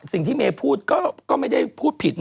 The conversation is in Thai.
สิ่งที่เมฆพูดก็ไม่ได้พูดผิด